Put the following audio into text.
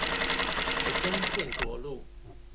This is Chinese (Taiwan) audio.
台中建國路